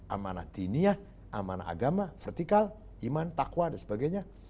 amanat diniyah amanat agama vertikal iman takwa dan sebagainya